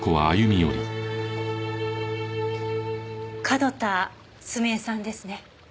角田澄江さんですね？